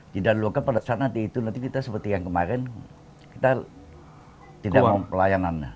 tidak dilakukan pada saat nanti itu nanti kita seperti yang kemarin kita tidak mau pelayanan